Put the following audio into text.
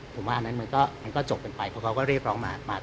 ผมว่าอันนั้นมันก็จบกันไปเพราะเขาก็เรียกร้องมา